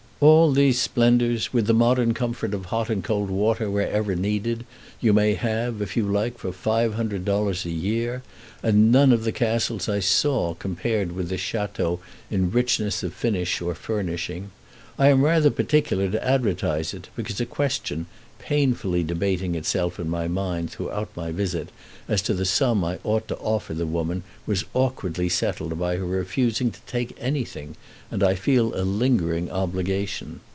All these splendors, with the modern comfort of hot and cold water wherever needed, you may have, if you like, for $500 a year; and none of the castles I saw compared with this château in richness of finish or furnishing. I am rather particular to advertise it because a question, painfully debating itself in my mind throughout my visit, as to the sum I ought to offer the woman was awkwardly settled by her refusing to take anything, and I feel a lingering obligation.